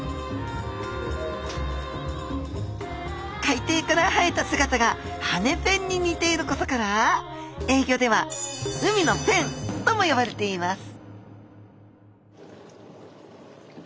海底から生えた姿が羽根ペンに似ていることから英ギョでは海のペンとも呼ばれています